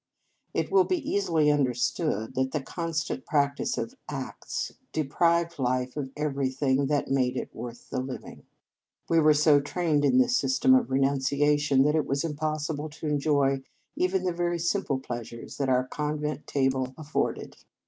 It will be easily understood that the constant practice of acts deprived life of everything that made it worth the living. We were so trained in this system of renunciation that it was im possible to enjoy even the very sim ple pleasures that our convent table 1 88 Reverend Mother s Feast afforded.